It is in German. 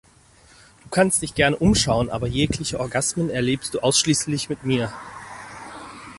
Du kannst dich gerne umschauen, aber jegliche Orgasmen erlebst du ausschließlich mit mir!